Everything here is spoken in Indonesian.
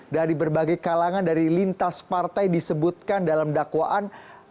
dari berbagai kalangan dari lintas partai disebutkan dalam dakwaan